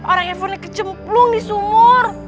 orang handphone kecemplung di sumur